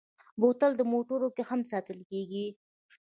بوتل د موټرو کې هم ساتل کېږي.